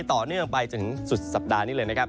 ต่อเนื่องไปจนถึงสุดสัปดาห์นี้เลยนะครับ